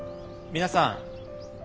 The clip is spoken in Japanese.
皆さん。